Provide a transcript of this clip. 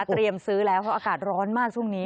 เตรียมซื้อแล้วเพราะว่าอากาศร้อนมากช่วงนี้